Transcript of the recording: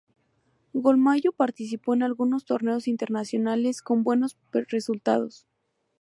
Golmayo participó en algunos torneos internacionales con buenos resultados.